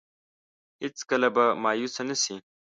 هېڅ کله به مايوسه نه شي.